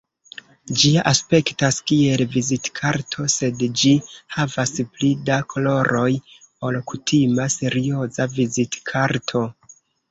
Ĝi aspektas kiel vizitkarto, sed ĝi havas pli da koloroj ol kutima serioza vizitkarto.